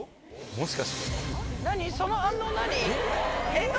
・・もしかして・何？